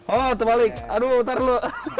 oh terbalik aduh putar dulu